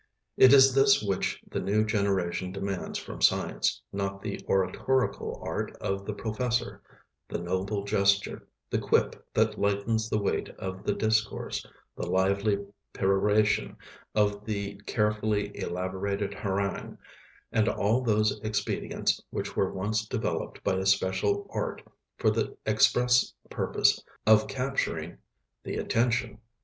It is this which the new generation demands from science, not the oratorical art of the professor, the noble gesture, the quip that lightens the weight of the discourse, the lively peroration of the carefully elaborated harangue, and all those expedients which were once developed by a special art for the express purpose of capturing the attention.